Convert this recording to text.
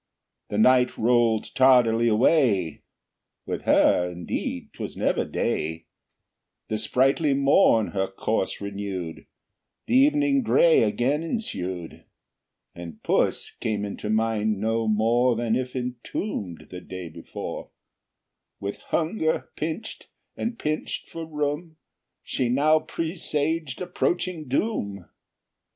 The night rolled tardily away (With her indeed 'twas never day), The sprightly morn her course renewed, The evening gray again ensued, And puss came into mind no more Than if entombed the day before; With hunger pinched, and pinched for room, She now presaged approaching doom.